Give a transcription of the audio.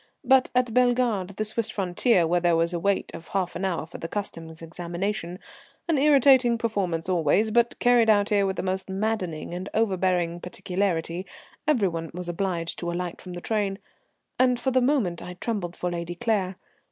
But at Bellegarde, the Swiss frontier, where there was a wait of half an hour for the Customs examination, an irritating performance always, but carried out here with the most maddening and overbearing particularity, everyone was obliged to alight from the train, and for the moment I trembled for Lady Claire.